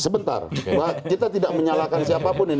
bentar kita tidak menyalahkan siapapun